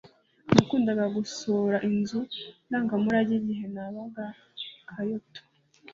Nakundaga gusura inzu ndangamurage igihe nabaga i Kyoto